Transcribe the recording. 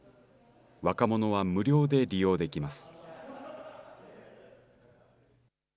若者は無料で利用できます。